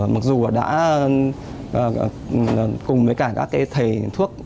mặc dù đã cùng với cả các thầy thuốc